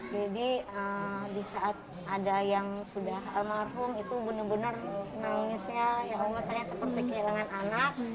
jadi di saat ada yang sudah almarhum itu benar benar nangisnya ya allah saya seperti kehilangan anak